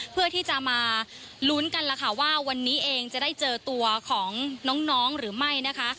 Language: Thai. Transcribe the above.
เพื่อที่จะมาลุ้นกันล่ะค่ะว่าวันนี้เองจะได้เจอตัวของน้องหรือไม่นะคะ